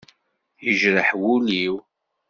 Yejreḥ wul-iw.